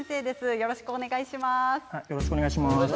よろしくお願いします。